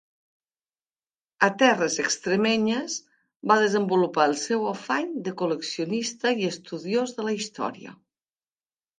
A terres extremenyes va desenvolupar el seu afany de col·leccionista i estudiós de la història.